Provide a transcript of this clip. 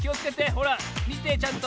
ほらみてちゃんと。